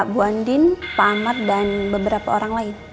bu andin pak ahmad dan beberapa orang lain